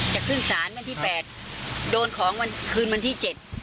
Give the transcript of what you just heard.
จะขึ้นสารวันที่๘โดนของวันคืนวันที่๗